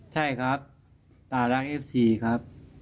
ใช่ครับตารักเอฟซีครับ